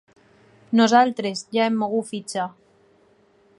Nosaltres ja hem mogut fitxa.